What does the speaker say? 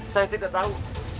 saya tidak tahu